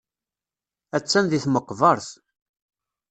Attan deg tmeqbert.